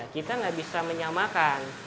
kita gak bisa menyamakan